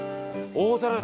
大皿。